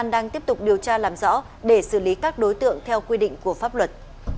đang tiếp tục điều tra làm rõ để xử lý các đối tượng theo quy định của pháp luật